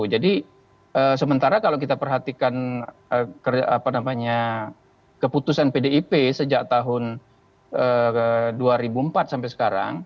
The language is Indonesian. sementara kalau kita perhatikan keputusan pdip sejak tahun dua ribu empat sampai sekarang